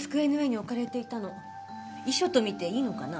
遺書と見ていいのかな？